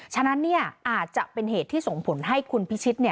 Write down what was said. ฉะนั้นอาจจะเป็นเหตุที่ส่งผลให้คุณพิชิต